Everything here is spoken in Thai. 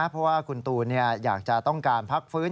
เพราะว่าคุณตูนอยากจะต้องการพักฟื้น